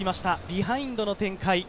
ビハインドの展開。